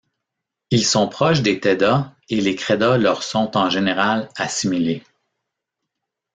Ils sont proches des Teda, et les Kreda leur sont en général assimilés.